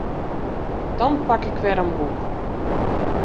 Dan pak ik wer in boek.